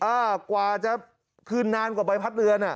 กว่าจะคืนนานกว่าใบพัดเรือนอ่ะ